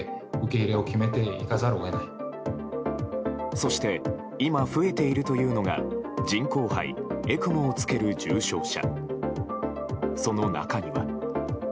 そして今、増えているというのが人工肺・ＥＣＭＯをつける重症者。